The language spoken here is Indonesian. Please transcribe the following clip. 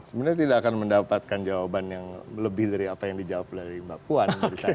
sebenarnya tidak akan mendapatkan jawaban yang lebih dari apa yang dijawab dari mbak puan